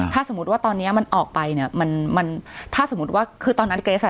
ถ้าสมมุติว่าตอนเนี้ยมันออกไปเนี่ยมันมันถ้าสมมุติว่าคือตอนนั้นเกรสอ่ะ